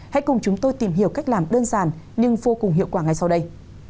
hãy cùng chúng tôi tìm hiểu cách làm đơn giản nhưng vô cùng hiệu quả ngay sau đây